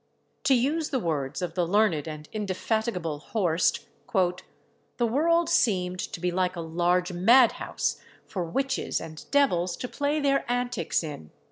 To use the words of the learned and indefatigable Horst, "the world seemed to be like a large madhouse for witches and devils to play their antics in."